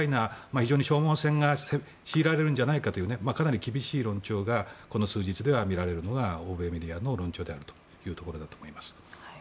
非常に消耗戦が強いられるんじゃないかというかなり厳しい論調がここ数日では見られるのが欧米メディアの論調であるというところです。